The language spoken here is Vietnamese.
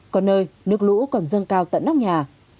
có nơi nước lũ còn dâng cao tận nóc nhà